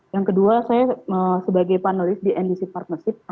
yang kedua saya sebagai panelis di ndc partnership